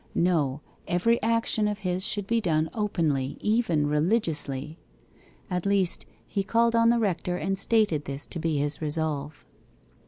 No; every action of his should be done openly even religiously. At least, he called on the rector, and stated this to be his resolve.